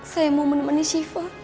saya mau menemani siva